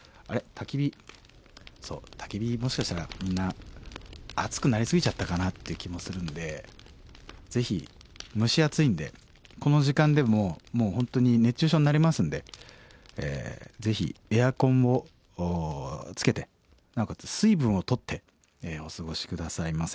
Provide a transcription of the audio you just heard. たき火そうたき火もしかしたらみんな暑くなりすぎちゃったかなっていう気もするんでぜひ蒸し暑いんでこの時間でももう本当に熱中症になりますんでぜひエアコンをつけてなおかつ水分をとってお過ごし下さいませ。